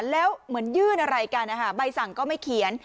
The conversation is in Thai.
แล้วเหมือนยื่นอะไรกันนะคะใบสั่งก็ไม่เขียน